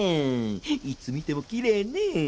いつ見てもきれいねえ。